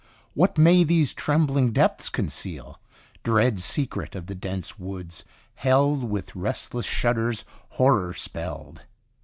What may these trembling depths conceal? Dread secret of the dense woods, held With restless shudders horror spelled!